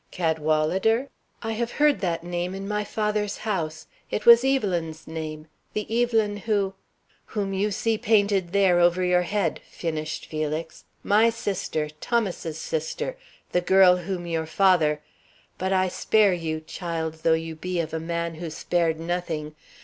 "Cadwalader? I have heard that name in my father's house; it was Evelyn's name, the Evelyn who " "Whom you see painted there over your head," finished Felix, "my sister, Thomas's sister the girl whom your father but I spare you, child though you be of a man who spared nothing.